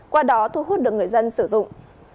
qua đó thu hút được người dân sử dụng